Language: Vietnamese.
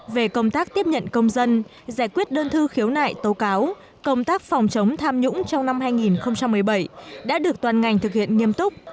về công tác tiếp nhận công dân giải quyết đơn thư khiếu nại tố cáo công tác phòng chống tham nhũng trong năm hai nghìn một mươi bảy đã được toàn ngành thực hiện nghiêm túc